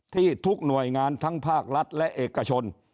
ทุกหน่วยงานทั้งภาครัฐและเอกชน